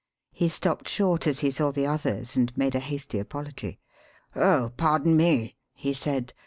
He stopped short as he saw the others and made a hasty apology. "Oh, pardon me," he said.